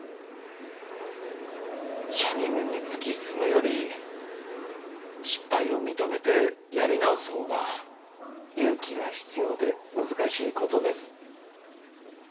しゃにむに突き進むより失敗を認めてやり直す方が勇気が必要で難しいことです。